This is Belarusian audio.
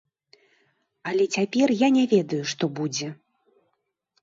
Але цяпер я не ведаю, што будзе.